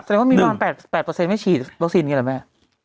แสดงว่ามีวัน๘เปอร์เซ็นต์ไม่ฉีดวัคซีนกันแหละแม่